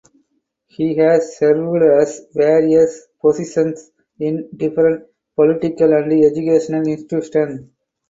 He has served as various positions in different political and educational institutions.